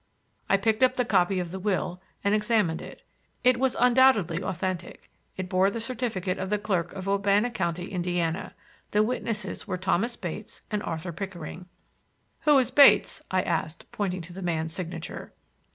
I picked up the copy of the will and examined it. It was undoubtedly authentic; it bore the certificate of the clerk of Wabana County, Indiana. The witnesses were Thomas Bates and Arthur Pickering. "Who is Bates?" I asked, pointing to the man's signature.